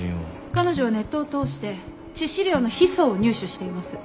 彼女はネットを通して致死量のヒ素を入手しています。